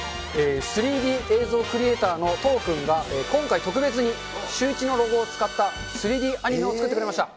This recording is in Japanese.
３Ｄ映像クリエーターの都央君が、今回、特別にシューイチのロゴを使った３Ｄアニメを作ってくれました。